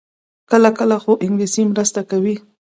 کله کله، خو انګلیسي مرسته کوي